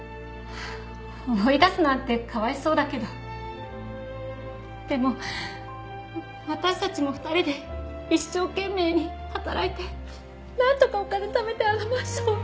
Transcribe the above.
追い出すなんてかわいそうだけどでも私たちも２人で一生懸命に働いてなんとかお金ためてあのマンションを買ったんです。